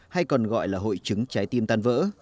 hay còn gọi là hội chứng trái tim tan vỡ